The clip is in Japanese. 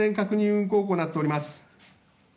運航を行っております。